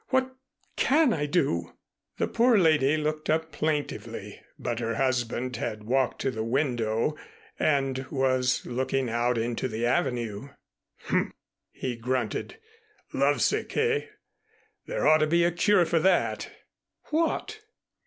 What can I do?" The poor lady looked up plaintively, but her husband had walked to the window and was looking out into the Avenue. "Humph!" he grunted. "Lovesick, eh? There ought to be a cure for that." "What?"